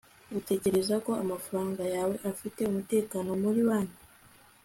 utekereza ko amafaranga yawe afite umutekano muri banki